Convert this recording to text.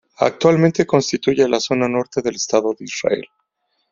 Actualmente constituye la zona norte del Estado de Israel.